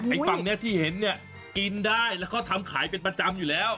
ฝั่งนี้ที่เห็นเนี่ยกินได้แล้วเขาทำขายเป็นประจำอยู่แล้ว